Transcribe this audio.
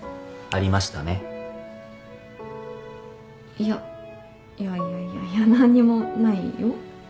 いやいやいやいやいや何にもないよ。